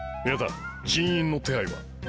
やた人員の手配は？